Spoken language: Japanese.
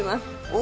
お！